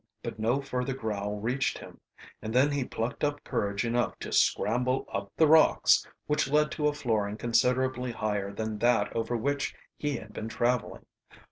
But no further growl reached him, and then he plucked up courage enough to scramble up the rocks, which led to a flooring considerably higher than that over which he had been traveling.